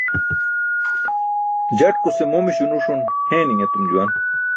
Jatkuse momiśo nuṣun heeni̇ṅ etum juwan.